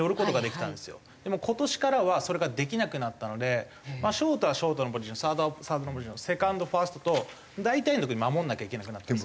でも今年からはそれができなくなったのでショートはショートのポジションサードはサードのポジションセカンドファーストと大体のとこ守んなきゃいけなくなったんです。